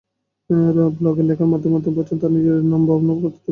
ব্লগে লেখার মাধ্যমে অমিতাভ বচ্চন তাঁর নিজের নানা ভাবনার কথা তুলে ধরেন।